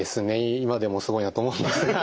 今でもすごいなと思うんですが。